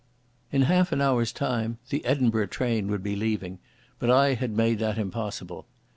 In half an hour's time the Edinburgh train would be leaving, but I had made that impossible.